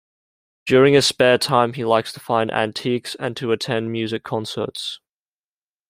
During his spare time he likes to find antiques and to attend music concerts.